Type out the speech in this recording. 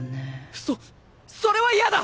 そそれは嫌だ！